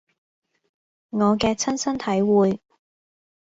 我嘅親身體會